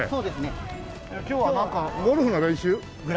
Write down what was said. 今日はなんかゴルフの練習？